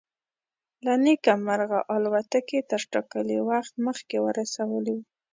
له نیکه مرغه الوتکې تر ټاکلي وخت مخکې ورسولو.